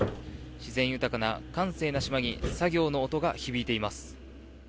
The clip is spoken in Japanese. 自然豊かな閑静な島に作業の音が響いています。